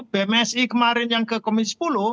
bmsi kemarin yang ke komisi sepuluh